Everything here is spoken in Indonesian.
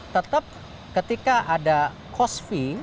tetap ketika ada cost fee